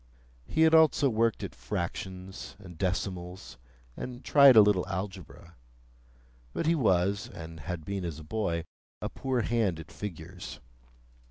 He had also worked at fractions and decimals, and tried a little algebra; but he was, and had been as a boy, a poor hand at figures.